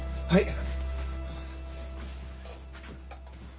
はい。